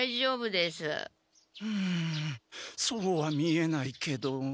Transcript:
うんそうは見えないけど。